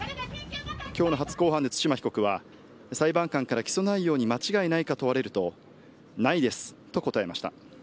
きょうの初公判で対馬被告は、裁判官から起訴内容に間違いないか問われると、ないですと答えました。